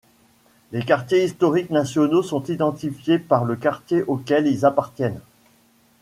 Les quartiers historiques nationaux sont identifiés par le quartier auquel ils appartiennent.